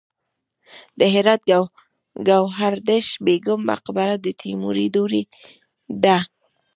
د هرات ګوهردش بیګم مقبره د تیموري دورې ده